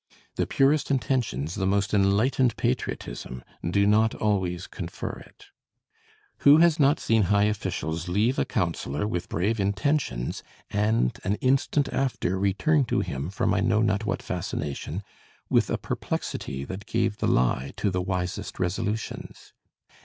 The purest intentions, the most enlightened patriotism, do not always confer it. Who has not seen high officials leave a counselor with brave intentions, and an instant after return to him, from I know not what fascination, with a perplexity that gave the lie to the wisest resolutions?